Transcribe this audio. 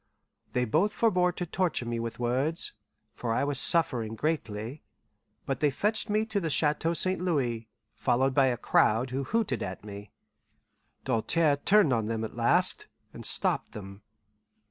They both forbore to torture me with words, for I was suffering greatly; but they fetched me to the Chateau St. Louis, followed by a crowd, who hooted at me. Doltaire turned on them at last, and stopped them.